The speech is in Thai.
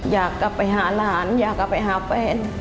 อยากกลับไปหาหลานอยากกลับไปหาแฟน